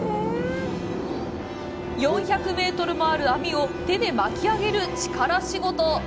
４００メートルもある網を手で巻き上げる力仕事！